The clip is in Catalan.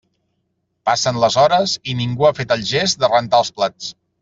Passen les hores i ningú ha fet el gest de rentar els plats.